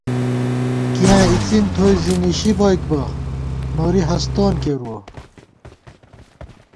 کیاں اِڅِن تھوئی زِی نِشِی بوئیک بہ نوری ہستون کیرُوَہ